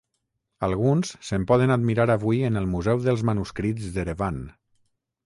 Alguns se'n poden admirar avui en el Museu dels Manuscrits d'Erevan.